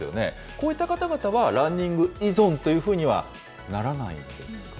こういった方々はランニング依存というふうにはならないんですか。